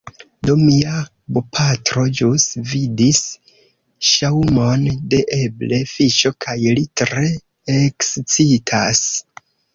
Do, mia bopatro ĵus vidis ŝaŭmon de eble fiŝo kaj li tre ekscitas